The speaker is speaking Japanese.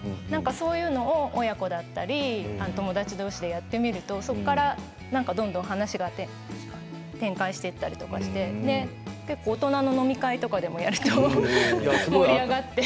そういうの親子だったり友達どうしでやってみるとそこから、どんどん話が展開していったりとかして結構大人の飲み会でもやると盛り上がって。